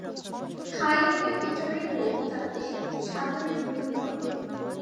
থাইল্যান্ডে পিটারের লোক তাকে সাদরে গ্রহণ করে।